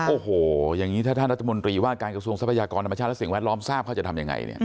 โอ้โหอย่างนี้ถ้าท่านรัฐมนตรีว่าการกระทรวงทรัพยากรธรรมชาติและสิ่งแวดล้อมทราบเขาจะทำยังไงเนี่ย